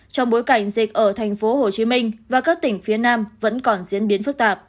trong bối cảnh dịch ở thành phố hồ chí minh và các tỉnh phía nam vẫn còn diễn ra